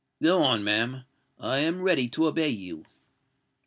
"Go on, ma'am—I am ready to obey you."